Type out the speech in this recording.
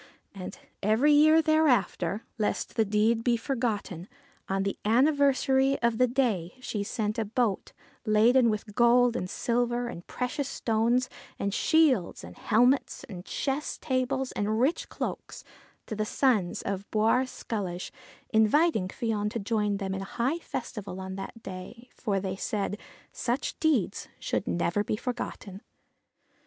And every year thereafter lest the deed be forgotten on the anniversary of the day she sent a boat laden with gold and silver and precious stones, and shields and helmets and chess tables and rich cloaks ; and the sons of Bawr Sculloge invited Fion to join them in high festival on that day, for they said, ' Such deeds should never be forgotten.'